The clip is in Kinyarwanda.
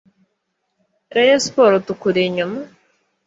Rayon sport tukuri inyuma